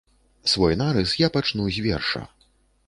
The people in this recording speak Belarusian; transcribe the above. Свой нарыс я пачну з верша.